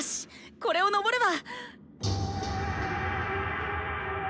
これをのぼれば！